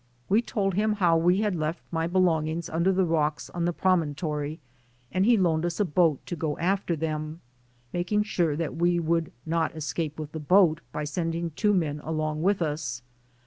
We told him how we had left my belongings under the rocks on the promontory and he loaned us a boat to go after them, making sure that we would not escape with the boat, by sending two men along with us.